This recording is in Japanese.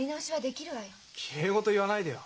きれい事言わないでよ。